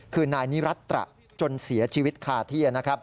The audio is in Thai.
คือนายนิรัตน์ตระจนเสียชีวิตขาเทีย